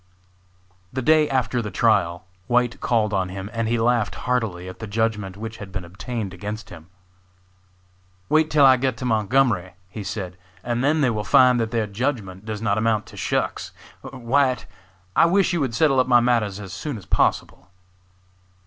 The day after the trial White called on him and he laughed heartily at the judgment which had been obtained against him. "Wait till I get to Montgomery," he said, "and then they will find that their judgment does not amount to shucks. White, I wish you would settle up my matters as soon as possible."